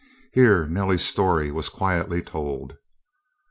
Here Nellie's story was quietly told.